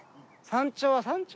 山頂は山頂。